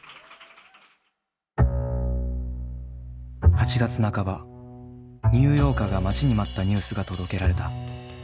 ８月半ばニューヨーカーが待ちに待ったニュースが届けられた。